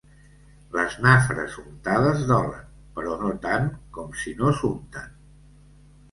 Les nafres untades dolen, però no tant com si no s'unten.